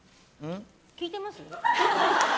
聞いてます？